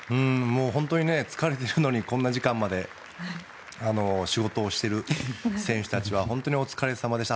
疲れてるのにこんな時間まで仕事をしている選手たちはお疲れさまでした。